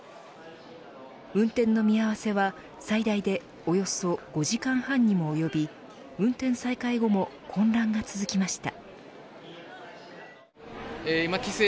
運転の見合わせは最大でおよそ５時間半にも及び運転再開後も混乱が続きました。